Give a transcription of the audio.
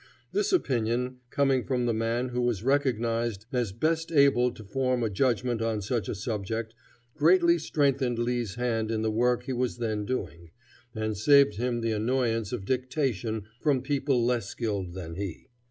This opinion, coming from the man who was recognized as best able to form a judgment on such a subject, greatly strengthened Lee's hand in the work he was then doing, and saved him the annoyance of dictation from people less skilled than he.